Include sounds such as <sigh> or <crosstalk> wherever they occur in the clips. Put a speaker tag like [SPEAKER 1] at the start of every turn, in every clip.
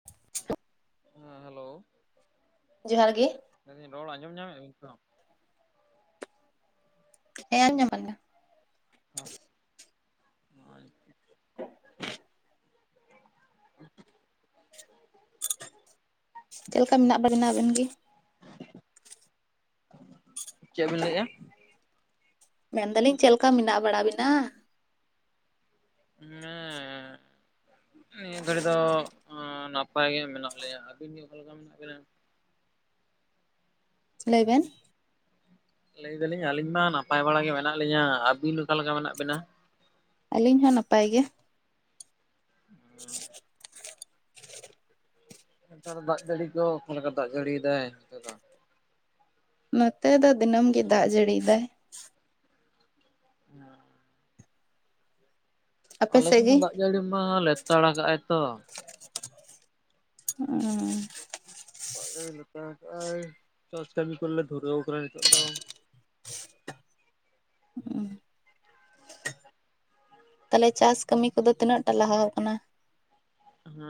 [SPEAKER 1] <unintelligible>
[SPEAKER 2] ᱦᱮᱸ ᱦᱮᱞᱳ
[SPEAKER 1] ᱡᱚᱸᱦᱟᱨ ᱜᱮ
[SPEAKER 2] ᱟᱞᱤᱧᱟᱜ ᱨᱚᱲ ᱟᱸᱡᱚᱢ ᱧᱟᱢᱮᱫᱼᱟᱵᱤᱱ ᱛᱚ?
[SPEAKER 1] <inaudible>
[SPEAKER 2] <inaudible>
[SPEAKER 1] <unintelligible>
[SPEAKER 2] <unintelligible>
[SPEAKER 1] ᱪᱮᱫ ᱞᱮᱠᱟ ᱢᱮᱱᱟᱜ ᱵᱮᱱᱟ ᱟᱵᱮᱱ ᱜᱮ?
[SPEAKER 2] ᱪᱮᱜ ᱵᱮᱱ ᱞᱟᱹᱭᱮᱜ-ᱟ?
[SPEAKER 1] ᱢᱮᱱ ᱫᱟᱹᱞᱤᱧ ᱪᱮᱫ ᱞᱮᱠᱟ ᱢᱮᱱᱟᱜ ᱵᱟᱲᱟ ᱵᱤᱱᱟ?
[SPEAKER 2] ᱢᱮᱻᱜ᱾ ᱱᱤᱭᱟᱹ ᱜᱷᱟᱹᱲᱤ ᱫᱚ ᱱᱟᱯᱟᱭ ᱜᱮ ᱢᱮᱱᱟᱜ ᱞᱮᱭᱟ ᱟᱹᱵᱤᱱ ᱵᱮ ᱚᱠᱟᱞᱮᱠᱟ ᱢᱮᱱᱟᱜ ᱵᱤᱱᱟ?
[SPEAKER 1] ᱞᱟᱹᱭ ᱵᱮᱱ᱾
[SPEAKER 2] ᱞᱟᱹᱭ ᱫᱟᱹᱞᱤᱧ ᱟᱹᱞᱤᱧ ᱢᱟ ᱱᱟᱯᱟᱭ ᱵᱟᱲᱟ ᱜᱮ ᱢᱮᱱᱟᱜ ᱞᱤᱧᱟᱹ ᱟᱹᱵᱤᱱ ᱚᱠᱟ ᱞᱮᱠᱟ ᱢᱮᱱᱟᱜ ᱵᱤᱱᱟ?
[SPEAKER 1] ᱟᱹᱞᱤᱧ ᱦᱚᱸ ᱱᱟᱯᱟᱭ ᱜᱮ᱾ <inaudible>
[SPEAKER 2] ᱱᱮᱛᱟᱨ ᱫᱟᱜ ᱡᱟᱹᱲᱤ ᱠᱚ ᱚᱠᱟᱞᱮᱠᱟ ᱫᱟᱜ ᱡᱟᱹᱲᱤᱭᱮᱫᱟᱭ ᱚᱱᱛᱮ ᱫᱚ?
[SPEAKER 1] ᱱᱚᱛᱮ ᱫᱚ ᱫᱤᱱᱟᱹᱢ ᱜᱮ ᱫᱟᱜ ᱡᱟᱹᱲᱤᱭ ᱫᱟᱭ᱾
[SPEAKER 2] ᱦᱮᱸ᱾
[SPEAKER 1] ᱟᱯᱮ
[SPEAKER 2] ᱟᱞᱮ
[SPEAKER 1] ᱥᱮᱫ
[SPEAKER 2] ᱥᱮᱥ
[SPEAKER 1] ᱜᱮ?
[SPEAKER 2] ᱦᱚᱸ ᱫᱟᱜ ᱡᱟᱹᱲᱤ ᱢᱟ ᱞᱮᱛᱟᱲ ᱟᱠᱟᱜ ᱟᱭ ᱛᱚ᱾
[SPEAKER 1] ᱦᱩᱸ
[SPEAKER 2] ᱫᱟᱜ ᱡᱟᱹᱲᱤ ᱞᱮᱛᱟᱲᱟᱠᱟᱜ ᱟᱭ ᱪᱟᱥ ᱠᱟᱹᱢᱤ ᱠᱚᱨᱮᱞᱮ ᱫᱷᱩᱨᱟᱹᱣ ᱟᱠᱟᱱᱟ ᱱᱤᱛᱚᱜ ᱫᱚ᱾
[SPEAKER 1] ᱛᱟᱞᱦᱮ ᱪᱟᱥ ᱠᱟᱹᱢᱤ ᱠᱚᱫᱚ ᱛᱤᱱᱟᱹᱜ ᱴᱟ ᱞᱟᱦᱟᱣ ᱟᱠᱟᱱᱟ?
[SPEAKER 2] ᱦᱮᱸ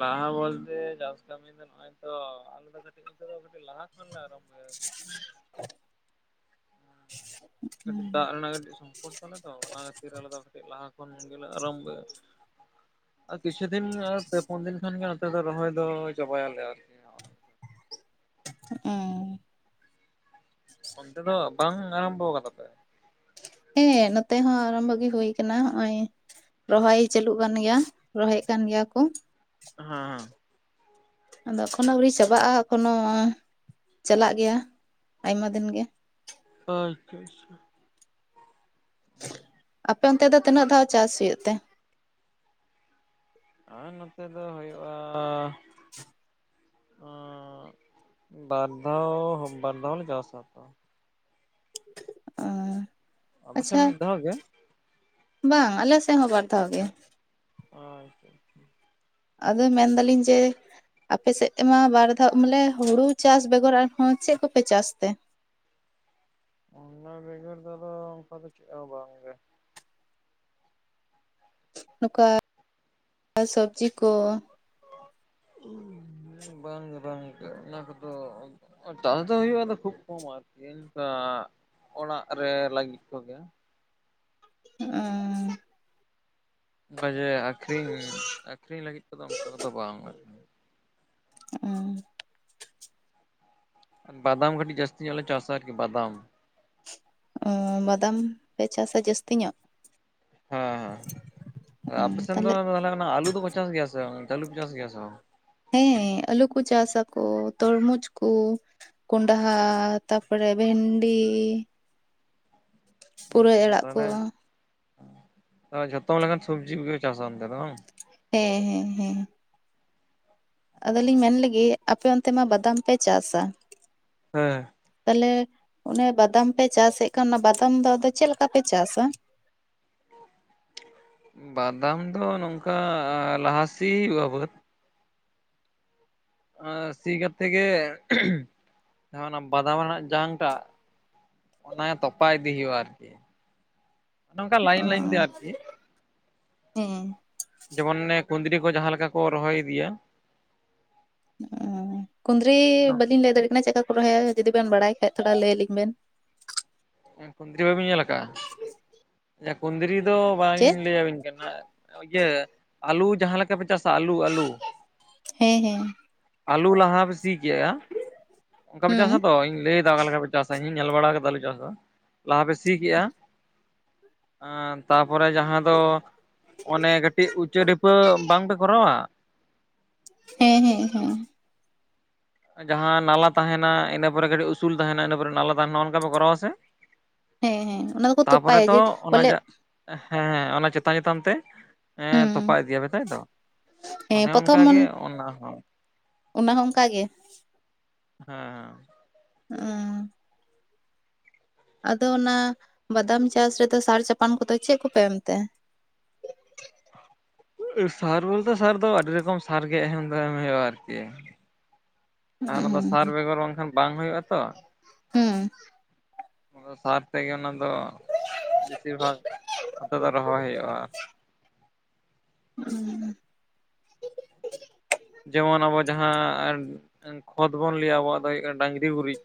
[SPEAKER 2] ᱞᱟᱦᱟ ᱵᱚᱞᱛᱮ ᱪᱟᱥ ᱠᱟᱹᱢᱤ ᱫᱚ ᱱᱚᱜᱼᱚᱭ ᱛᱚ ᱟᱞᱮ ᱫᱚ ᱠᱟᱹᱴᱤᱡ ᱱᱚᱛᱮ ᱫᱚ ᱠᱟᱹᱴᱤᱡ ᱞᱟᱦᱟ ᱠᱷᱚᱱᱞᱮ ᱟᱨᱚᱢᱵᱷᱚᱭᱟ ᱟᱨᱠᱤ᱾ ᱠᱟᱹᱴᱤᱡ ᱫᱟᱜ ᱨᱮᱱᱟᱜ ᱠᱟᱹᱴᱤᱡ ᱥᱚᱝᱠᱚᱴ ᱛᱟᱞᱮ ᱛᱚ ᱚᱱᱟ ᱠᱷᱟᱹᱛᱤᱨ ᱟᱞᱮ ᱫᱚ ᱠᱟᱹᱴᱤᱡ ᱞᱟᱦᱟ ᱠᱷᱚᱱ ᱜᱮᱞᱮ ᱟᱨᱚᱢᱵᱷᱚᱭᱟ᱾ ᱟᱨ ᱠᱤᱪᱷᱩ ᱫᱤᱱ ᱟᱨ ᱯᱮ ᱯᱩᱱ ᱫᱤᱱ ᱠᱷᱟᱱᱜᱮ ᱱᱚᱛᱮ ᱫᱚ ᱨᱚᱦᱚᱭ ᱫᱚ ᱪᱟᱵᱟᱭᱟᱞᱮ ᱟᱨᱠᱤ᱾
[SPEAKER 1] ᱚ
[SPEAKER 2] ᱚᱱᱛᱮ ᱫᱚ ᱵᱟᱝ ᱟᱨᱚᱢᱵᱷᱚᱣ ᱠᱟᱫᱟ ᱯᱮ?
[SPEAKER 1] ᱦᱮᱸ ᱱᱚᱛᱮ ᱦᱚᱸ ᱟᱨᱚᱢᱵᱷᱚ ᱜᱮ ᱦᱩᱭ ᱟᱠᱟᱱᱟ ᱦᱚᱸᱜᱼᱚᱭ᱾ ᱨᱚᱦᱚᱭ ᱪᱟᱹᱞᱩᱜ ᱠᱟᱱ ᱜᱮᱭᱟ ᱨᱚᱦᱚᱭᱮᱫ ᱠᱟᱱ ᱜᱮᱭᱟ ᱠᱚ᱾
[SPEAKER 2] ᱦᱮᱸ ᱦᱮᱸ᱾
[SPEAKER 1] ᱟᱫᱚ ᱮᱠᱷᱚᱱᱳ ᱟᱹᱣᱨᱤ ᱪᱟᱵᱟᱜᱼᱟ ᱮᱠᱷᱚᱱᱳ ᱪᱟᱞᱟᱜ ᱜᱮᱭᱟ ᱟᱭᱢᱟ ᱫᱤᱱ ᱜᱮ᱾
[SPEAKER 2] ᱦᱳᱭ <inaudible>
[SPEAKER 1] ᱟᱯᱮ ᱚᱱᱛᱮ ᱫᱚ ᱛᱤᱱᱟᱹᱜ ᱫᱷᱟᱣ ᱪᱟᱥ ᱦᱩᱭᱩᱜ ᱛᱮ?
[SPEAKER 2] ᱟ ᱱᱚᱛᱮ ᱫᱚ ᱦᱩᱭᱩᱜᱼᱟ᱾ ᱟᱻᱜ ᱵᱟᱨ ᱫᱷᱟᱣ, ᱵᱟᱨ ᱫᱷᱟᱣ ᱞᱮ ᱪᱟᱥᱟ ᱛᱚ᱾
[SPEAKER 1] ᱚ,
[SPEAKER 2] ᱟᱯᱮ ᱥᱮᱫ
[SPEAKER 1] ᱟᱪᱪᱷᱟ᱾
[SPEAKER 2] ᱢᱤᱫ ᱫᱷᱟᱣ ᱜᱮ
[SPEAKER 1] ᱵᱟᱝ ᱟᱞᱮ ᱥᱮᱜ ᱦᱚᱸ ᱵᱟᱨ ᱫᱷᱟᱣ ᱜᱮ᱾
[SPEAKER 2] ᱚ ᱟᱪᱪᱷᱟ ᱟᱪᱪᱷᱟ᱾
[SPEAKER 1] ᱟᱫᱚ ᱢᱮᱱᱫᱟᱹᱞᱤᱧ ᱡᱮ ᱟᱯᱮᱥᱮᱜ ᱛᱮᱢᱟ ᱵᱟᱨ ᱫᱷᱟᱣ ᱵᱚᱞᱮ ᱦᱩᱲᱩ ᱪᱟᱥ ᱵᱮᱜᱚᱨ ᱟᱨᱦᱚᱸ ᱪᱮᱜ ᱠᱚᱯᱮ ᱪᱟᱥ ᱛᱮ?
[SPEAKER 2] ᱚᱱᱟ ᱵᱮᱜᱚᱨ ᱫᱚ ᱟᱫᱚ ᱚᱱᱠᱟ ᱫᱚ ᱪᱮᱫ ᱦᱚᱸ ᱵᱟᱝ ᱜᱮ᱾
[SPEAKER 1] ᱱᱚᱠᱟ ᱥᱚᱵᱽᱡᱤ ᱠᱚ?
[SPEAKER 2] ᱵᱟᱝᱜᱮ ᱵᱟᱝᱜᱮ ᱚᱱᱟ ᱠᱚᱫᱚ ᱛᱟᱥ ᱫᱚ ᱦᱩᱭᱩᱜᱼᱟ ᱟᱫᱚ ᱠᱷᱩᱵ ᱠᱚᱢ ᱟᱨᱠᱤ ᱚᱱᱠᱟ ᱚᱲᱟᱜ ᱨᱮ ᱞᱟᱹᱜᱤᱫ ᱠᱚᱜᱮ᱾
[SPEAKER 1] ᱦᱮᱸ᱾
[SPEAKER 2] ᱚᱱᱠᱟ ᱡᱮ ᱟᱠᱷᱨᱤᱧ, ᱟᱠᱷᱨᱤᱧ ᱞᱟᱹᱜᱤᱫ ᱛᱮᱫᱚ ᱚᱱᱠᱟ ᱠᱚᱫᱚ ᱵᱟᱝ ᱜᱮ᱾
[SPEAKER 1] ᱩᱸ᱾
[SPEAKER 2] ᱵᱟᱫᱟᱢ ᱠᱟᱹᱴᱤᱡ ᱡᱟᱹᱥᱛᱤ ᱧᱚᱜ ᱞᱮ ᱪᱟᱥᱟ ᱟᱨᱠᱤ ᱵᱟᱫᱟᱢ᱾
[SPEAKER 1] ᱚᱸ ᱵᱟᱫᱟᱢ ᱯᱮ ᱪᱟᱥᱟ ᱡᱟᱹᱥᱛᱤ ᱧᱚᱜ?
[SPEAKER 2] ᱦᱮᱸ ᱦᱮᱸ ᱟᱯᱮ ᱥᱮᱱ ᱫᱚ
[SPEAKER 1] ᱛᱟᱦᱞᱮ
[SPEAKER 2] ᱛᱟᱦᱚᱞᱮ ᱟᱞᱩ ᱫᱚ ᱠᱚ ᱪᱟᱥ ᱜᱮᱭᱟ ᱥᱮ <unintelligible> ᱠᱚ ᱪᱟᱥ ᱜᱮᱭᱟ ᱥᱮ ᱵᱟᱝ?
[SPEAKER 1] ᱦᱮᱸ ᱟᱹᱞᱩ ᱠᱚ ᱪᱟᱥᱟ ᱠᱚ ᱛᱚᱨᱢᱩᱡᱽ ᱠᱚ ᱠᱚᱱᱰᱷᱟ ᱛᱟᱯᱚᱨᱮ ᱵᱷᱮᱱᱰᱤ
[SPEAKER 2] <unintelligible>
[SPEAKER 1] ᱯᱩᱨᱟᱹᱭ ᱟᱲᱟᱜ ᱠᱚ
[SPEAKER 2] ᱛᱮ ᱡᱷᱚᱛᱚ ᱞᱮᱠᱟᱱ ᱥᱚᱵᱡᱤ ᱠᱚᱜᱮ ᱪᱟᱥᱟ ᱚᱱᱛᱮ ᱫᱚ ᱵᱟᱝ?
[SPEAKER 1] ᱦᱮᱸ ᱦᱮᱸ ᱦᱮᱸ᱾ ᱟᱫᱚᱞᱤᱧ ᱢᱮᱱ ᱞᱮᱜᱮ ᱟᱯᱮ ᱚᱱᱛᱮ ᱢᱟ ᱵᱟᱫᱟᱢ ᱯᱮ ᱪᱟᱥᱟ᱾
[SPEAKER 2] ᱦᱮᱸ
[SPEAKER 1] ᱛᱟᱦᱚᱞᱮ ᱚᱱᱮ ᱵᱟᱫᱟᱢ ᱯᱮ ᱪᱟᱥ ᱮᱜ ᱠᱟᱱ ᱚᱱᱟ ᱵᱟᱫᱟᱢ ᱫᱚ ᱟᱫᱚ ᱪᱮᱫ ᱞᱮᱠᱟ ᱯᱮ ᱪᱟᱥᱟ?
[SPEAKER 2] ᱵᱟᱫᱟᱢ ᱫᱚ ᱱᱚᱝᱠᱟ ᱞᱟᱦᱟ ᱥᱤ ᱦᱩᱭᱩᱜᱼᱟ ᱵᱟᱹᱫ ᱟ ᱥᱤ ᱠᱟᱛᱮ ᱜᱮ, ᱚᱱᱟ ᱵᱟᱫᱟᱢ ᱨᱮᱱᱟᱜ ᱡᱟᱝ ᱴᱟᱜ᱾ ᱚᱱᱟ ᱛᱚᱯᱟ ᱤᱫᱤ ᱦᱩᱭᱩᱜ-ᱟ ᱟᱹᱨᱠᱤ᱾
[SPEAKER 1] ᱚᱻ
[SPEAKER 2] ᱟᱨᱠᱤ
[SPEAKER 1] ᱦᱮᱸ᱾
[SPEAKER 2] ᱡᱮᱢᱚᱱ ᱚᱱᱮ ᱠᱩᱸᱫᱽᱨᱤ ᱠᱚ ᱡᱟᱦᱟᱸ ᱞᱮᱠᱟ ᱠᱚ ᱨᱚᱦᱚᱭ ᱤᱫᱤᱭᱟ᱾
[SPEAKER 1] ᱠᱩᱸᱫᱽᱨᱤ ᱵᱟᱹᱞᱤᱧ ᱞᱟᱹᱭ ᱫᱟᱲᱮᱭᱟᱜ ᱠᱟᱱᱟ ᱪᱮᱫᱠᱟ ᱠᱚ ᱨᱚᱦᱚᱭᱟ, ᱡᱩᱫᱤ ᱵᱮᱱ ᱵᱟᱲᱟᱭ ᱠᱷᱟᱡ ᱛᱷᱚᱲᱟ ᱞᱟᱹᱭ ᱟᱹᱞᱤᱧ ᱵᱮᱱ᱾
[SPEAKER 2] ᱠᱩᱸᱫᱽᱨᱤ ᱵᱟᱹᱵᱤᱱ ᱧᱮᱞ ᱟᱠᱟᱟᱜ-ᱟ, ᱠᱩᱸᱫᱽᱨᱤ ᱫᱚ ᱵᱟᱹᱧ
[SPEAKER 1] ᱪᱮᱫ
[SPEAKER 2] ᱞᱟᱹᱭ ᱟᱹᱵᱤᱱ ᱠᱟᱱᱟ᱾ ᱤᱭᱟᱹ, ᱟᱹᱞᱩ ᱡᱟᱦᱟᱸ ᱞᱮᱠᱟ ᱯᱮ ᱪᱟᱥᱟ ᱟᱹᱞᱩ ᱟᱹᱞᱩ᱾
[SPEAKER 1] ᱦᱮᱸ ᱦᱮᱸ᱾
[SPEAKER 2] ᱟᱹᱞᱩ ᱞᱟᱦᱟ ᱯᱮ ᱥᱤ ᱠᱮᱜ-ᱟ, ᱚᱱᱠᱟᱯᱮ ᱪᱟᱥᱟ
[SPEAKER 1] ᱦᱩᱸ
[SPEAKER 2] ᱛᱚ ᱤᱧ ᱞᱟᱹᱭ ᱫᱟ ᱚᱠᱟ ᱞᱮᱠᱟ ᱯᱮ ᱪᱟᱥᱟ ᱤᱧ ᱦᱚᱧ ᱧᱮᱞ ᱵᱟᱲᱟ ᱟᱠᱟᱫᱟ ᱟᱹᱞᱩ ᱪᱟᱥ ᱫᱚ᱾ ᱞᱟᱦᱟ ᱯᱮ ᱥᱤ ᱠᱮᱜ-ᱟ, ᱟ ᱛᱟᱯᱚᱨᱮ ᱡᱟᱦᱟᱸ ᱫᱚ ᱚᱱᱮ ᱠᱟᱹᱴᱤᱡ ᱩᱪᱟᱹ ᱰᱷᱤᱯᱟᱹ ᱵᱟᱝ ᱯᱮ ᱠᱚᱨᱟᱣᱟ
[SPEAKER 1] ᱦᱮᱸ ᱦᱮᱸ ᱦᱮᱸ᱾
[SPEAKER 2] ᱡᱟᱦᱟᱸ ᱱᱟᱞᱟ ᱛᱟᱦᱮᱸᱱᱟ ᱤᱱᱟᱹ ᱯᱚᱨᱮ ᱠᱟᱹᱴᱤᱡ ᱩᱥᱩᱞ ᱛᱟᱦᱮᱸᱱᱟ ᱤᱱᱟᱹ ᱯᱚᱨᱮ ᱱᱟᱞᱟ ᱛᱟᱦᱮᱸᱱᱟ ᱚᱱᱠᱟ ᱯᱮ ᱠᱚᱨᱟᱣᱟ ᱥᱮ᱾
[SPEAKER 1] ᱦᱮᱸ ᱦᱮᱸ ᱚᱱᱟ ᱫᱚᱠᱚ
[SPEAKER 2] ᱛᱟᱯᱚᱨᱮ
[SPEAKER 1] ᱛᱚᱯᱟᱭᱟ
[SPEAKER 2] ᱛᱚ
[SPEAKER 1] ᱡᱮ
[SPEAKER 2] ᱚᱱᱟ
[SPEAKER 1] ᱵᱚᱞᱮ
[SPEAKER 2] ᱡᱟ ᱦᱮᱸ ᱚᱱᱟ ᱪᱮᱛᱟᱱ ᱪᱮᱛᱟᱱ ᱛᱮ ᱦᱮ ᱛᱚᱯᱟ
[SPEAKER 1] ᱦᱩᱸ
[SPEAKER 2] ᱤᱫᱤᱭᱟᱯᱮ ᱛᱟᱭ ᱛᱚ,
[SPEAKER 1] ᱦᱮᱸ
[SPEAKER 2] ᱚᱱᱮ ᱚᱱᱠᱟ
[SPEAKER 1] ᱯᱨᱚᱛᱷᱚᱢ
[SPEAKER 2] ᱜᱮ ᱚᱱᱟ ᱦᱚᱸ᱾
[SPEAKER 1] ᱚᱱᱟ ᱦᱚᱸ ᱚᱱᱠᱟ ᱜᱮ᱾
[SPEAKER 2] ᱦᱮᱸ ᱦᱮᱸ᱾
[SPEAKER 1] ᱚᱻ᱾ ᱟᱫᱚ ᱚᱱᱟ, ᱵᱟᱫᱟᱢ ᱪᱟᱥ ᱨᱮᱫᱚ ᱥᱟᱨ ᱪᱟᱯᱟᱱ ᱠᱚᱫᱚ ᱪᱮᱫ ᱠᱚᱯᱮ ᱮᱢᱛᱮ?
[SPEAKER 2] ᱥᱟᱨ ᱵᱚᱞᱛᱮ ᱥᱟᱨ ᱫᱚ ᱟᱹᱰᱤ ᱨᱚᱠᱚᱢ ᱥᱟᱨ ᱜᱮ ᱮᱢ ᱫᱚ ᱮᱢ ᱦᱩᱭᱩᱜ-ᱟ ᱟᱹᱨᱠᱤ᱾ ᱟᱨ ᱚᱱᱟ ᱫᱚ
[SPEAKER 1] ᱦᱩᱸ
[SPEAKER 2] ᱥᱟᱨ ᱵᱮᱜᱚᱨ ᱵᱟᱝᱠᱷᱟᱱ ᱵᱟᱝ ᱦᱩᱭᱩᱜ-ᱟ ᱛᱚ᱾
[SPEAKER 1] ᱦᱩᱸ᱾
[SPEAKER 2] ᱟᱫᱚ ᱥᱟᱨ ᱛᱮᱜᱮ ᱚᱱᱟ ᱫᱚ, ᱵᱮᱥᱤᱨ ᱵᱷᱟᱜᱽ ᱱᱚᱛᱮ ᱫᱚ ᱨᱚᱦᱚᱭ ᱦᱩᱭᱩᱜ-ᱟ᱾
[SPEAKER 1] ᱦᱩᱸ
[SPEAKER 2] ᱡᱮᱢᱚᱱ ᱟᱵᱚ ᱡᱟᱦᱟᱸ ᱠᱷᱚᱛ ᱵᱚᱱ ᱞᱟᱹᱭᱟ, ᱟᱵᱚᱣᱟᱜ ᱫᱚ ᱦᱩᱭᱩᱜ ᱠᱟᱱᱟ ᱰᱟᱹᱝᱨᱤ ᱨᱤ ᱜᱩᱨᱤᱡ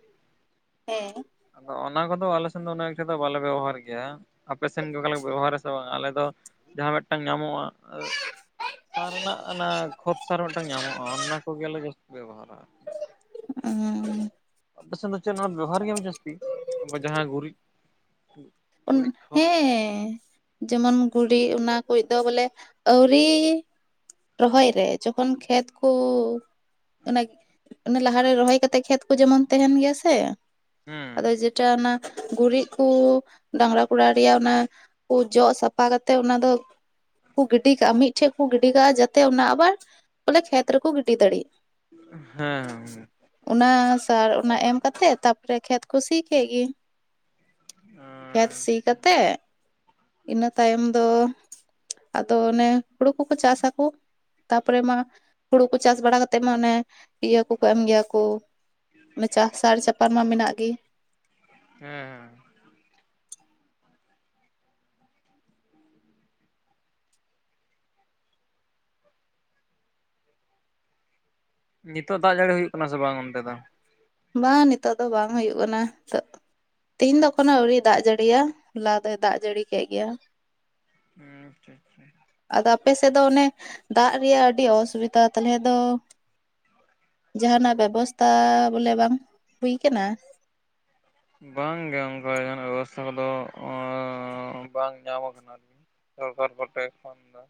[SPEAKER 2] ᱟᱫᱚ ᱚᱱᱟ ᱠᱚᱫᱚ ᱟᱞᱮ ᱥᱮᱱ ᱫᱚ ᱩᱱᱟᱹ ᱮᱠᱴᱟ ᱫᱚ ᱵᱟᱞᱮ ᱵᱮᱵᱚᱦᱟᱨ ᱜᱮᱭᱟ, ᱟᱯᱮ ᱥᱮᱱ ᱜᱮ ᱚᱠᱟ ᱞᱮᱠᱟ ᱠᱚ ᱵᱮᱵᱚᱦᱟᱨᱟ ᱥᱮ ᱵᱟᱝ ᱟᱞᱮ ᱫᱚ ᱡᱟᱦᱟᱸ ᱢᱤᱫᱴᱟᱝ ᱧᱟᱢᱚᱜ-ᱟ ᱥᱟᱨ ᱨᱮᱱᱟᱜ ᱚᱱᱟ ᱠᱷᱚᱛ ᱟᱨ ᱢᱤᱫᱴᱟᱝ ᱧᱟᱢᱚᱜ-ᱟ ᱚᱱᱟ ᱠᱚᱜᱮᱞᱮ ᱡᱟᱹᱥᱛᱤ ᱵᱮᱵᱚᱦᱟᱨᱟ᱾
[SPEAKER 1] ᱚᱻ᱾
[SPEAKER 2] ᱟᱯᱮ ᱥᱮᱱ ᱫᱚ ᱪᱮᱫ ᱱᱚᱣᱟ ᱵᱮᱵᱚᱦᱟᱨ ᱜᱮᱭᱟ ᱯᱮ ᱡᱟᱹᱥᱛᱤ, ᱡᱟᱦᱟᱸ ᱜᱩᱨᱤᱡ
[SPEAKER 1] ᱩᱱ
[SPEAKER 2] ᱜᱩᱨᱤᱡ ᱠᱷᱚᱛ
[SPEAKER 1] ᱦᱮᱸ ᱡᱮᱢᱚᱱ ᱜᱩᱲᱤᱡ ᱚᱱᱟ ᱠᱩᱭᱜ ᱫᱚ ᱵᱚᱞᱮ ᱟᱹᱣᱨᱤ ᱨᱚᱦᱚᱭ ᱨᱮ ᱡᱚᱠᱷᱚᱱ ᱠᱷᱮᱛ ᱠᱚ ᱚᱱᱟ ᱞᱟᱦᱟᱨᱮ ᱨᱚᱦᱚᱭ ᱠᱟᱛᱮᱜ ᱠᱷᱮᱛ ᱠᱚ ᱡᱮᱢᱚᱱ ᱛᱟᱦᱮᱸᱱ ᱜᱮᱭᱟ ᱥᱮ᱾ ᱟᱫᱚ
[SPEAKER 2] ᱦᱮᱸ
[SPEAKER 1] ᱡᱮᱴᱟ ᱚᱱᱟ ᱜᱩᱨᱤᱡ ᱠᱚᱻ᱾ ᱰᱟᱝᱨᱟ ᱜᱚᱲᱟ ᱨᱮᱭᱟᱜ ᱚᱱᱟ, ᱠᱚ ᱡᱚᱜ ᱥᱟᱯᱷᱟ ᱠᱟᱛᱮᱜ ᱚᱱᱟ ᱫᱚ, ᱠᱩ ᱜᱤᱰᱤ ᱠᱟᱜ-ᱟ ᱢᱤᱫᱴᱷᱮᱱ᱾ ᱜᱤᱰᱤ ᱠᱟᱜ-ᱟ ᱡᱟᱛᱮ ᱚᱱᱟ ᱟᱵᱟᱨ, ᱵᱚᱞᱮ ᱠᱷᱮᱛ ᱨᱮᱠᱚ ᱜᱤᱰᱤ ᱫᱟᱲᱮᱜ
[SPEAKER 2] ᱦᱮᱸ
[SPEAKER 1] ᱚᱱᱟ ᱥᱟᱨ ᱚᱱᱟ ᱮᱢ ᱠᱟᱛᱮᱜ ᱛᱟᱯᱚᱨᱮ ᱠᱷᱮᱛ ᱠᱚ ᱥᱤ ᱠᱮᱜ ᱜᱮ᱾
[SPEAKER 2] <unintelligible>
[SPEAKER 1] ᱠᱷᱮᱛ ᱥᱤ ᱠᱟᱛᱮᱜ, ᱤᱱᱟᱹ ᱛᱟᱭᱚᱢ ᱫᱚ᱾ ᱟᱫᱚ ᱚᱱᱮ ᱦᱩᱲᱩ ᱠᱚᱠᱚ ᱪᱟᱥ ᱟᱠᱚ, ᱛᱟᱨᱯᱚᱨᱮ ᱢᱟ ᱦᱩᱲᱩ ᱠᱚ ᱪᱟᱥ ᱵᱟᱲᱟ ᱠᱟᱛᱮᱜ ᱢᱟ ᱚᱱᱮ, ᱤᱭᱟᱹ ᱠᱚᱠᱚ ᱮᱢ ᱜᱮᱭᱟ ᱠᱚ ᱚᱱᱮ ᱪᱟᱥᱟᱨ ᱪᱟᱯᱟᱱ ᱢᱟ ᱢᱮᱱᱟᱜ ᱜᱮ᱾
[SPEAKER 2] ᱦᱮᱸ ᱦᱮᱸ᱾ ᱱᱤᱛᱟᱹᱜ ᱫᱟᱜ ᱡᱟᱹᱲᱤ ᱦᱩᱭᱩᱜ ᱠᱟᱱᱟ ᱥᱮ ᱵᱟᱝ ᱚᱱᱛᱮ ᱫᱚ?
[SPEAKER 1] ᱵᱟᱝ ᱱᱤᱛᱟᱹᱜ ᱫᱚ ᱵᱟᱝ ᱦᱩᱭᱩᱜ ᱠᱟᱱᱟ ᱛᱟᱜ᱾ ᱛᱮᱦᱤᱧ ᱫᱚ ᱮᱠᱷᱚᱱᱚ ᱟᱹᱣᱨᱤᱭ ᱫᱟᱜ ᱡᱟᱹᱲᱤᱭᱟ᱾ ᱦᱚᱞᱟ ᱫᱚᱭ ᱫᱟᱜ ᱡᱟᱹᱲᱤ ᱠᱮᱜ ᱜᱮᱭᱟ᱾
[SPEAKER 2] ᱦᱮᱸ ᱟᱪᱪᱷᱟ ᱟᱪᱪᱷᱟ᱾
[SPEAKER 1] ᱟᱫᱚ ᱟᱯᱮ ᱥᱮᱫ ᱫᱚ ᱚᱱᱮ ᱫᱟᱜ ᱨᱮᱭᱟᱜ ᱟᱹᱰᱤ ᱚᱥᱩᱵᱤᱛᱟ᱾ ᱛᱟᱦᱚᱞᱮ ᱫᱚ ᱡᱟᱦᱟᱱᱟᱜ ᱵᱮᱵᱚᱥᱛᱟ ᱵᱚᱞᱮ ᱵᱟᱝ ᱦᱩᱭ ᱠᱟᱱᱟ?
[SPEAKER 2] ᱵᱟᱝ ᱜᱮ ᱚᱱᱠᱟ ᱡᱟᱦᱟᱱᱟᱜ ᱵᱮᱵᱚᱥᱛᱷᱟ ᱠᱚᱫᱚ ᱟ ᱵᱟᱝ ᱧᱟᱢ ᱠᱟᱱᱟ ᱟᱨᱠᱤ᱾ ᱥᱚᱨᱠᱟᱨ ᱠᱚᱴᱮᱜ ᱮᱠᱷᱚᱱ ᱫᱚ᱾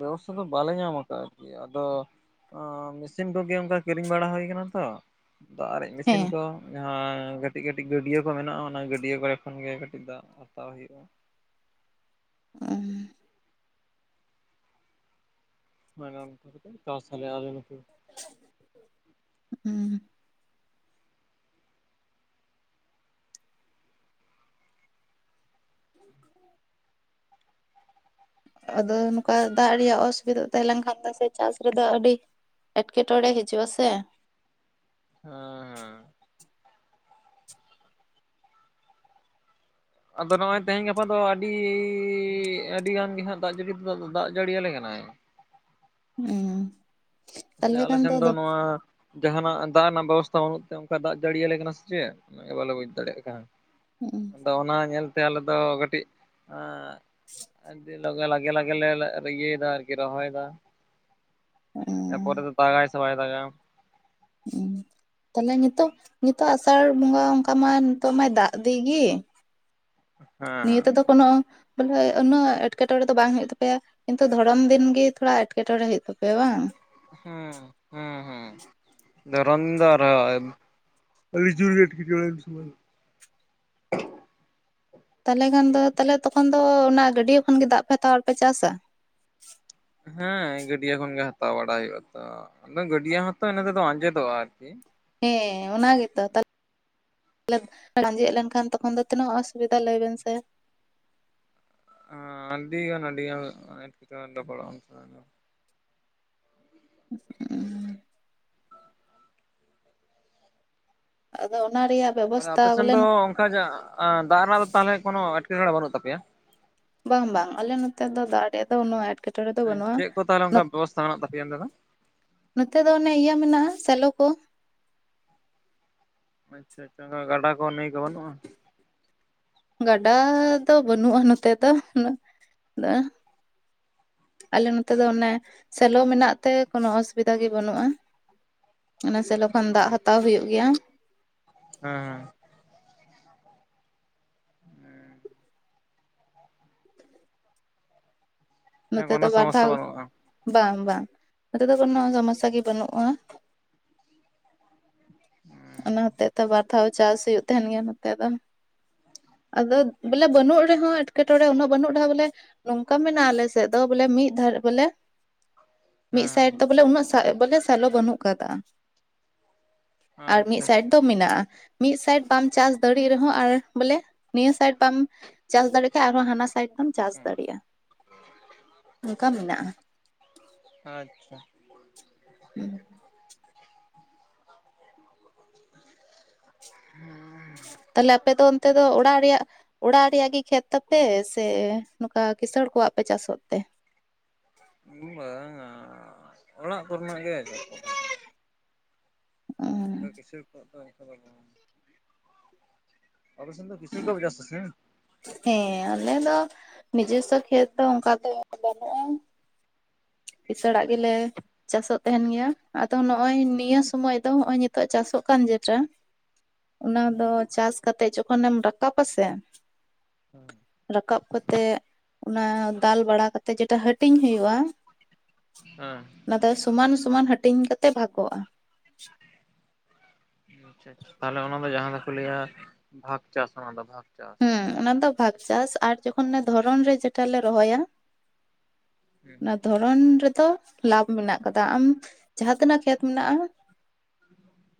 [SPEAKER 2] ᱵᱮᱵᱚᱥᱛᱷᱟ ᱫᱚ ᱵᱟᱞᱮ ᱧᱟᱢ ᱠᱟᱜᱼᱟ ᱟᱨᱠᱤ ᱟᱫᱚ ᱟ ᱢᱮᱥᱤᱱ ᱠᱚᱜᱮ ᱚᱱᱠᱟ ᱠᱤᱨᱤᱧ ᱵᱟᱲᱟ ᱦᱩᱭ ᱠᱟᱱᱟ ᱛᱚ᱾ ᱫᱟᱜ ᱟᱨᱮᱡ ᱢᱮᱥᱤᱱ
[SPEAKER 1] ᱦᱮᱸ
[SPEAKER 2] ᱠᱚ᱾ ᱡᱟᱦᱟᱸ ᱠᱟᱹᱴᱤᱡ ᱠᱟᱹᱴᱤᱡ ᱜᱟᱹᱰᱤᱭᱟᱹ ᱠᱚ ᱢᱮᱱᱟᱜᱼᱟ᱾ ᱚᱱᱟ ᱜᱟᱹᱰᱤᱭᱟᱹ ᱠᱚᱨᱮ ᱠᱷᱚᱱ ᱜᱮ ᱠᱟᱹᱴᱤᱡ ᱫᱟᱜ ᱦᱟᱛᱟᱣ ᱦᱩᱭᱩᱜᱼᱟ᱾
[SPEAKER 1] ᱚ᱾
[SPEAKER 2] ᱵᱟᱝ ᱟ ᱚᱱᱠᱟ ᱠᱟᱛᱮᱜ ᱪᱟᱥ ᱟᱞᱮ ᱟᱞᱮ ᱱᱚᱛᱮ᱾
[SPEAKER 1] ᱚ᱾ ᱟᱫᱚ ᱱᱚᱝᱠᱟ ᱫᱟᱜ ᱨᱮᱭᱟᱜ ᱚᱥᱩᱵᱤᱫᱷᱟ ᱛᱟᱦᱮᱸᱞᱮᱱᱠᱷᱟᱱ ᱫᱚ ᱥᱮ ᱪᱟᱥ ᱨᱮᱫᱚ ᱟᱹᱰᱤ ᱮᱴᱠᱮᱴᱚᱲᱮ ᱦᱟᱹᱡᱩᱜ-ᱟ ᱥᱮ᱾
[SPEAKER 2] ᱦᱮᱸ ᱦᱮᱸ᱾ ᱟᱫᱚ ᱱᱚᱜᱼᱚᱭ ᱛᱮᱦᱮᱧ ᱜᱟᱯᱟ ᱫᱚ ᱟᱹᱰᱤ ᱟᱹᱰᱤ ᱜᱟᱱ ᱜᱮ ᱦᱟᱸᱜ ᱫᱟᱜ ᱡᱟᱹᱲᱤ ᱛᱮᱫᱚ ᱟᱫᱚ ᱫᱟᱜ ᱡᱟᱹᱲᱤᱭᱟᱞᱮ ᱠᱟᱱᱟᱭ᱾
[SPEAKER 1] ᱚ᱾
[SPEAKER 2] ᱥᱮ ᱟᱞᱮ ᱥᱮᱱ ᱫᱚ ᱱᱚᱣᱟ ᱡᱟᱦᱟᱱᱟᱜ ᱫᱟᱜ ᱨᱮᱱᱟᱜ ᱵᱮᱵᱚᱥᱛᱷᱟ ᱵᱟᱹᱱᱩᱜ ᱛᱮ ᱚᱱᱠᱟ ᱫᱟᱜ ᱡᱟᱹᱲᱤᱭᱟᱞᱮ ᱠᱟᱱᱟ ᱥᱮ ᱪᱮᱫ ᱚᱱᱟᱜᱮ ᱵᱟᱞᱮ ᱵᱩᱡᱽ ᱫᱟᱲᱮᱭᱟᱜ ᱠᱟᱱ᱾ ᱟᱫᱚ ᱚᱱᱟ ᱧᱮᱞᱛᱮ ᱟᱞᱮ ᱫᱚ ᱠᱟᱹᱴᱤᱡ ᱟᱸ <unintelligible> ᱞᱚᱜᱮ ᱞᱟᱜᱮ ᱞᱟᱜᱮ ᱞᱮ ᱨᱮᱤᱭᱟᱹᱭᱫᱟ ᱟᱨᱠᱤ ᱨᱚᱦᱚᱭᱫᱟ᱾ ᱯᱚᱨᱮᱛᱮ ᱫᱟᱜᱟᱭ ᱥᱮ ᱵᱟᱭ ᱫᱟᱜᱟ
[SPEAKER 1] ᱦᱮᱸ᱾ ᱛᱟᱦᱚᱞᱮ ᱱᱤᱛᱚᱴᱟᱹᱜ ᱱᱤᱛᱟᱹᱜ ᱟᱥᱟᱲ ᱵᱚᱸᱜᱟ ᱚᱱᱠᱟ ᱢᱟ ᱱᱤᱛᱟᱹᱜ ᱢᱟᱭ ᱫᱟᱜ ᱤᱫᱤ ᱜᱮ᱾ ᱱᱤᱭᱟᱹ
[SPEAKER 2] ᱦᱮᱸ
[SPEAKER 1] ᱛᱮᱫᱚ ᱠᱳᱱᱳ ᱵᱚᱞᱦᱮ ᱩᱱᱟᱹᱜ ᱮᱴᱠᱮᱴᱚᱬᱮ ᱫᱚ ᱵᱟᱝ ᱦᱩᱭᱩᱜ ᱛᱟᱯᱮᱭᱟ᱾ ᱠᱤᱱᱛᱩ ᱫᱷᱚᱨᱚᱢ ᱫᱤᱱᱜᱮ ᱛᱷᱚᱲᱟ ᱮᱸᱴᱠᱮᱴᱚᱲᱮ ᱦᱩᱭᱩᱜ ᱛᱟᱯᱮᱭᱟ ᱵᱟᱝ?
[SPEAKER 2] ᱦᱮᱸ, ᱦᱮᱸ ᱦᱮᱸ᱾ ᱫᱷᱚᱨᱚᱢ ᱫᱚ ᱟᱨᱦᱚ ᱮᱢ ᱟᱹᱰᱤ ᱡᱳᱨᱜᱮ ᱮᱴᱠᱮᱴᱚᱬᱮ ᱩᱱ ᱥᱚᱢᱚᱭ ᱫᱚ᱾
[SPEAKER 1] ᱛᱟᱦᱚᱞᱮ ᱠᱷᱟᱱ ᱫᱚ ᱛᱟᱦᱚᱞᱮ ᱛᱚᱠᱷᱚᱱ ᱫᱚ ᱚᱱᱟ ᱜᱟᱹᱰᱤᱭᱟᱹ ᱠᱷᱚᱱ ᱜᱮ ᱫᱟᱜ ᱯᱮ ᱦᱟᱛᱟᱣᱟ ᱟᱨ ᱯᱮ ᱪᱟᱥᱟ᱾
[SPEAKER 2] ᱦᱮᱸ ᱜᱟᱹᱰᱤᱭᱟᱹ ᱠᱷᱚᱱᱜᱮ ᱦᱟᱛᱟᱣ ᱵᱟᱲᱟ ᱦᱩᱭᱩᱜ-ᱟ ᱛᱚ᱾ ᱟᱫᱚ ᱜᱟᱹᱰᱤᱭᱟᱹ ᱦᱚᱸᱛᱚ ᱤᱱᱟᱹ ᱛᱮᱫᱚ ᱟᱸᱡᱮᱫᱚᱜᱼᱟ ᱟᱨᱠᱤ᱾
[SPEAKER 1] ᱦᱮᱸ ᱟᱱᱟ ᱜᱮᱛᱚ ᱛᱟᱞ ᱞᱮ ᱟᱸᱡᱮᱫ ᱞᱮᱱᱠᱷᱟᱱ ᱛᱚᱠᱷᱚᱱ ᱫᱚ ᱛᱤᱱᱟᱹᱜ ᱚᱥᱩᱵᱤᱫᱷᱟ ᱞᱟᱹᱭ ᱵᱮᱱ ᱥᱮ?
[SPEAKER 2] ᱟᱸ ᱟᱹᱰᱤᱜᱟᱱ ᱟᱹᱰᱤᱜᱟᱱ ᱮᱴᱠᱮᱴᱚᱬᱮ ᱞᱮ ᱯᱟᱲᱟᱜ-ᱟ ᱚᱱᱛᱮ <unintelligible>
[SPEAKER 1] <unintelligible> ᱟᱫᱚ ᱚᱱᱟ ᱨᱮᱭᱟᱜ
[SPEAKER 2] ᱟᱫᱚ
[SPEAKER 1] ᱵᱮᱵᱚᱥᱛᱷᱟ
[SPEAKER 2] ᱟᱯᱮ ᱥᱮᱱ
[SPEAKER 1] ᱵᱚᱞᱮ
[SPEAKER 2] ᱫᱚ ᱚᱱᱠᱟ ᱡᱟ ᱟᱸ ᱫᱟᱜ ᱨᱮᱱᱟᱜ ᱫᱚ ᱛᱟᱞᱦᱮ ᱠᱳᱱᱚ ᱮᱴᱠᱮᱴᱚᱬᱮ ᱵᱟᱹᱱᱩᱜ ᱛᱟᱯᱮᱭᱟ?
[SPEAKER 1] ᱵᱟᱝ ᱵᱟᱝ ᱟᱞᱮ ᱱᱚᱛᱮ ᱫᱚ ᱫᱟᱜ ᱨᱮᱭᱟᱜ ᱫᱚ ᱩᱱᱟᱹᱜ ᱮᱴᱠᱮ
[SPEAKER 2] ᱪᱮᱫ ᱠᱚ ᱛᱟᱦᱚᱞᱮ ᱚᱱᱠᱟ ᱵᱮᱵᱚᱥᱛᱟ ᱢᱮᱱᱟᱜ ᱛᱟᱯᱮᱭᱟ ᱚᱱᱛᱮ ᱫᱚ?
[SPEAKER 1] ᱱᱚᱛᱮ ᱫᱚ ᱚᱱᱮ ᱤᱭᱟᱹ ᱢᱮᱱᱟᱜᱼᱟ ᱥᱮᱞᱚ ᱠᱚ᱾
[SPEAKER 2] ᱟᱪᱪᱷᱟ ᱟᱪᱪᱷᱟ, ᱚᱱᱠᱟ ᱜᱟᱰᱟ ᱠᱚ, ᱱᱟᱹᱭ ᱠᱚ ᱵᱟᱹᱱᱩᱜᱼᱟ?
[SPEAKER 1] ᱜᱟᱰᱟ ᱫᱚ ᱵᱟᱹᱱᱩᱜᱼᱟ ᱱᱚᱛᱮ ᱫᱚ᱾ <unintelligible> ᱟᱞᱮ ᱱᱚᱛᱮ ᱫᱚ ᱚᱱᱮ ᱥᱮᱞᱚ ᱢᱮᱱᱟᱜ ᱛᱮ ᱠᱳᱚᱱᱳ ᱚᱥᱩᱵᱤᱫᱷᱟ ᱜᱮ ᱵᱟᱹᱱᱩᱜᱼᱟ᱾ ᱚᱱᱟ ᱥᱮᱞᱚ ᱞᱚᱠᱷᱚᱱ ᱫᱟᱜ
[SPEAKER 2] ᱦᱳᱭ
[SPEAKER 1] ᱦᱟᱛᱟᱣ ᱦᱳᱭᱳᱜ ᱜᱮᱭᱟ᱾
[SPEAKER 2] ᱦᱮᱸ, ᱦᱮᱸ ᱦᱮᱸ
[SPEAKER 1] ᱱᱚᱛᱮ ᱫᱚ
[SPEAKER 2] ᱠᱳᱱᱳ
[SPEAKER 1] ᱵᱟᱨ
[SPEAKER 2] ᱥᱚᱢᱚᱥᱥᱟ
[SPEAKER 1] ᱫᱷᱟᱣ,
[SPEAKER 2] ᱵᱟᱹᱱᱩᱜᱼᱟ
[SPEAKER 1] ᱵᱟᱝ ᱵᱟᱝ ᱱᱚᱛᱮ ᱫᱚ ᱠᱳᱱᱳ ᱥᱚᱢᱚᱥᱥᱟ ᱜᱮ ᱵᱟᱹᱱᱩᱜᱼᱟ᱾
[SPEAKER 2] <unintelligible>
[SPEAKER 1] ᱚᱱᱟ ᱦᱚᱛᱮᱜ ᱛᱮ ᱵᱟᱨ ᱫᱷᱟᱣ ᱪᱟᱹᱥ ᱦᱳᱭᱳᱜ ᱛᱟᱦᱮᱸᱱ ᱜᱮᱭᱟ ᱱᱚᱛᱮ ᱫᱚ᱾ ᱟᱫᱚ ᱵᱚᱞᱮ ᱵᱟᱹᱱᱩᱜ ᱨᱮᱦᱚᱸ ᱮᱴᱠᱮᱴᱚᱬᱮ ᱩᱱᱟᱹᱜ ᱵᱟᱹᱱᱩᱜ ᱨᱮᱦᱚᱸ ᱵᱚᱞᱮ ᱱᱚᱝᱠᱟ ᱢᱮᱱᱟᱜᱼᱟ ᱟᱞᱮ ᱥᱮᱫ ᱫᱚ ᱵᱚᱞᱮ ᱢᱤᱫ ᱫᱷᱟᱹᱨ ᱵᱚᱞᱮ ᱢᱤᱫ ᱥᱟᱭᱤᱰ
[SPEAKER 2] ᱦᱮᱸ
[SPEAKER 1] ᱫᱚ ᱵᱚᱞᱮ ᱩᱱᱟᱹᱜ <unintelligible> ᱵᱚᱞᱮ ᱥᱮᱞᱚ ᱵᱟᱹᱱᱩᱜ ᱟᱠᱟᱫ-ᱟ᱾ ᱟᱨ ᱢᱤᱫ
[SPEAKER 2] ᱟᱪᱪᱷᱟ
[SPEAKER 1] ᱥᱟᱭᱤᱰ ᱡᱚ ᱢᱮᱱᱟᱜᱼᱟ ᱾ᱢᱤᱫ ᱥᱟᱭᱤᱰ ᱵᱟᱢ ᱪᱟᱥ ᱫᱟᱲᱮᱜ ᱨᱮᱦᱚᱸ ᱟᱨ ᱵᱚᱞᱮ ᱱᱤᱭᱟᱹ ᱥᱟᱭᱤᱰ ᱵᱟᱢ ᱪᱟᱹᱥ ᱫᱟᱲᱮᱭᱟᱜ ᱠᱷᱟᱡ ᱟᱨᱦᱚᱸ ᱦᱟᱱᱟ ᱥᱟᱭᱤᱰ ᱪᱟᱹᱥ ᱫᱟᱲᱮᱭᱟᱜᱼᱟ᱾ ᱚᱱᱠᱟ ᱢᱮᱱᱟᱜᱼᱟ᱾
[SPEAKER 2] ᱟᱪᱪᱷᱟ
[SPEAKER 1] ᱦᱩᱸ <inaudible> ᱛᱟᱦᱞᱮ ᱟᱯᱮᱫᱚ ᱚᱱᱛᱮ ᱫᱚ ᱚᱲᱟᱜ ᱨᱮᱭᱟᱜ ᱚᱲᱟᱜ ᱨᱮᱭᱟᱜ ᱜᱮ ᱠᱷᱮᱛ ᱛᱟᱯᱮ ᱥᱮ ᱱᱚᱝᱠᱟ ᱠᱸᱤᱥᱟᱹᱬ ᱠᱚᱣᱟᱜ ᱯᱮ ᱪᱟᱥᱚᱜ ᱛᱮ?
[SPEAKER 2] ᱵᱟᱝ-ᱟ, ᱚᱲᱟᱜ ᱠᱚᱨᱮᱱᱟᱜ ᱜᱮ ᱪᱟᱥ ᱵᱟ
[SPEAKER 1] ᱚᱸ
[SPEAKER 2] <inaudible> ᱠᱤᱥ ᱠᱚ ᱚᱵᱮᱥᱚᱱ ᱫᱚ <inaudible> ᱟᱯᱮ ᱥᱮᱱ ᱫᱚ ᱠᱤᱥᱟᱹᱬ ᱠᱚᱣᱟᱜ ᱯᱮ ᱪᱟᱥᱟ ᱥᱮ? <unintelligible>
[SPEAKER 1] ᱦᱮᱸ ᱟᱞᱮ ᱫᱚ ᱱᱤᱡᱚᱥᱥᱚ ᱠᱷᱮᱛ ᱫᱚ ᱚᱱᱠᱟ ᱫᱚ ᱵᱟᱹᱱᱩᱜ ᱛᱟᱞᱮᱭᱟ᱾ ᱠᱤᱥᱟᱹᱲᱟᱜ ᱜᱮᱞᱮ ᱪᱟᱥᱚᱜ ᱛᱟᱦᱮᱱ ᱜᱮᱭᱟ᱾ ᱟᱫᱚ ᱱᱚᱜᱼᱚᱭ ᱱᱤᱭᱟᱹ ᱥᱚᱢᱚᱭ ᱫᱚ ᱱᱚᱜᱼᱚᱭ ᱱᱤᱛᱳᱜ ᱪᱟᱥᱚᱜ ᱠᱟᱱ ᱡᱮᱴᱟ
[SPEAKER 2] <inaudible>
[SPEAKER 1] ᱚᱱᱟ ᱫᱚ ᱪᱟᱹᱥ ᱠᱟᱛᱮᱜ ᱡᱚᱠᱷᱚᱱᱮᱢ ᱨᱟᱠᱟᱵ-ᱟ ᱥᱮ,
[SPEAKER 2] ᱦᱮᱸ
[SPEAKER 1] ᱨᱟᱠᱟᱵ ᱠᱟᱛᱮᱜ ᱚᱱᱟ ᱫᱟᱞ ᱵᱟᱲᱟ ᱠᱟᱛᱮ ᱡᱮᱴᱟ ᱦᱟᱹᱴᱤᱧ ᱦᱩᱭᱩᱜᱼᱟ᱾
[SPEAKER 2] ᱦᱮᱸᱻ
[SPEAKER 1] ᱚᱱᱟᱫᱚ ᱥᱚᱢᱟᱱ ᱥᱚᱢᱟᱱ ᱦᱟᱹᱴᱤᱧ ᱠᱟᱛᱮ ᱵᱷᱟᱜᱚᱜᱼᱟ᱾
[SPEAKER 2] ᱟᱪᱪᱷᱟ ᱟᱪᱪᱷᱟ <inaudible> ᱛᱟᱦᱚᱞᱮ ᱚᱱᱟ ᱫᱚ ᱡᱟᱦᱟᱸ ᱫᱚᱠᱚ ᱞᱟᱹᱭᱟ ᱵᱷᱟᱜᱽ ᱪᱟᱹᱥ ᱚᱱᱟ ᱫᱚ ᱵᱷᱟᱜᱽ ᱪᱟᱹᱥ᱾
[SPEAKER 1] ᱦᱩᱸ ᱚᱱᱟ ᱫᱚ ᱵᱷᱟᱜ ᱪᱟᱹᱥ ᱟᱨ ᱡᱚᱠᱷᱚᱱ ᱫᱷᱚᱨᱚᱱ ᱨᱮ ᱡᱮᱴᱟ ᱞᱮ ᱨᱚᱦᱚᱭᱟ,
[SPEAKER 2] ᱦᱩᱸ
[SPEAKER 1] ᱚᱱᱟ ᱫᱷᱚᱨᱚᱱ ᱨᱮᱫᱚ ᱞᱟᱵᱷ ᱢᱮᱱᱟᱜ ᱠᱟᱫᱟ ᱟᱢ ᱡᱟᱦᱟᱸᱛᱤᱱᱟᱹᱜ ᱠᱷᱮᱛ ᱢᱮᱱᱟᱜᱼᱟ,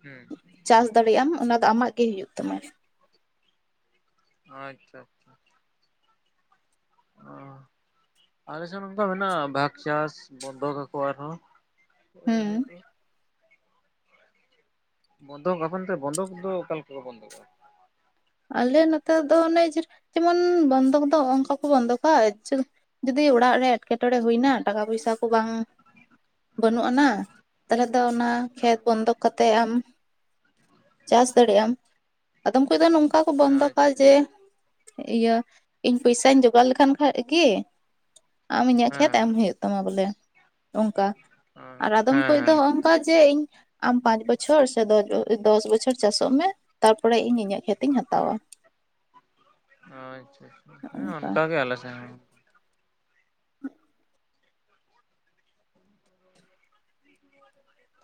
[SPEAKER 2] ᱦᱩᱸ
[SPEAKER 1] ᱪᱟᱹᱥ ᱫᱟᱲᱮᱭᱟᱜ- ᱟᱢ ᱚᱱᱟ ᱫᱚ ᱟᱢᱟᱜ ᱜᱮ ᱦᱩᱭᱩᱜ ᱛᱟᱢᱟ᱾
[SPEAKER 2] ᱟᱪᱪᱷᱟ, ᱟᱪᱪᱷᱟ ᱚᱻ ᱟᱞᱮ ᱥᱮᱫ ᱱᱚᱝᱠᱟ ᱢᱮᱱᱟᱜᱼᱟ ᱵᱷᱟᱜ ᱪᱟᱥ ᱵᱚᱱᱫᱚᱠ ᱟᱠᱚ ᱟᱨᱦᱚᱸ᱾
[SPEAKER 1] ᱦᱩᱸ
[SPEAKER 2] <unintelligible> ᱵᱚᱱᱫᱷᱚᱠ ᱟᱵᱚᱱ <unintelligible> ᱵᱚᱱᱫᱷᱚᱠ ᱫᱚ ᱚᱠᱟᱞᱮᱠᱟ ᱠᱚ ᱵᱚᱱᱫᱚᱜᱼᱟ?
[SPEAKER 1] ᱟᱞᱮ ᱱᱚᱛᱮ ᱫᱚ ᱚᱱᱮ ᱡᱮᱢᱚᱱ ᱵᱚᱱᱫᱚᱠ ᱫᱚ ᱚᱝᱠᱟ ᱠᱚ ᱵᱚᱱᱫᱚᱜᱼᱟ ᱡᱩᱫᱤ ᱚᱲᱟᱜ ᱨᱮ ᱮᱸᱴᱠᱮᱴᱚᱬᱮ ᱦᱩᱭᱱᱟ ᱴᱟᱠᱟ ᱯᱚᱭᱥᱟ ᱠᱚ ᱵᱟᱝ ᱵᱟᱹᱱᱩᱜ ᱟᱱᱟ ᱛᱟᱞᱦᱮ ᱫᱚ ᱚᱱᱟ ᱠᱷᱮᱛ ᱵᱚᱱᱫᱚᱠ ᱠᱟᱛᱮ ᱟᱢ ᱪᱟᱹᱥ ᱫᱟᱲᱮᱭᱟᱜ-ᱟᱢ᱾ ᱟᱫᱚ ᱚᱠᱚᱭ ᱫᱚ ᱱᱚᱝ ᱚᱠᱟ ᱠᱚ
[SPEAKER 2] ᱦᱮᱸ
[SPEAKER 1] ᱵᱚᱱᱫᱚᱠᱼᱟ ᱡᱮ, ᱤᱭᱟᱹ ᱤᱧ ᱯᱚᱭᱥᱟᱧ ᱡᱚᱜᱟᱲ ᱞᱮᱠᱷᱟᱱ ᱠᱷᱟᱡ ᱜᱮ ᱟᱢ ᱤᱧᱟᱹᱜ ᱠᱷᱮᱛ
[SPEAKER 2] ᱦᱮᱸ
[SPEAKER 1] ᱮᱢ ᱦᱳᱭᱳᱜ ᱛᱟᱢᱟ ᱵᱚᱞᱮ ᱚᱱᱠᱟ
[SPEAKER 2] ᱦᱮᱸ
[SPEAKER 1] ᱟᱨ ᱟᱫᱚᱢ ᱠᱚ ᱫᱚ
[SPEAKER 2] ᱦᱮᱸ
[SPEAKER 1] ᱚᱱᱠᱟ ᱡᱮ ᱤᱧ ᱟᱢ ᱯᱟᱸᱪ ᱵᱚᱪᱷᱚᱨ ᱥᱮ ᱫᱚᱥ ᱫᱚᱥ ᱵᱚᱪᱷᱚᱨ ᱪᱟᱥᱚᱜ ᱢᱮ ᱛᱟᱨᱯᱚᱨᱮ ᱤᱧ ᱤᱧᱟᱹᱜ ᱠᱷᱮᱛ ᱦᱟᱛᱟᱣᱟ᱾
[SPEAKER 2] ᱚ ᱟᱪᱪᱷᱟ ᱟᱪᱪᱷᱟ, ᱦᱮᱸ ᱚᱱᱠᱟ ᱜᱮ ᱟᱞᱮ ᱥᱮᱱ ᱦᱚᱸ᱾ <inaudible>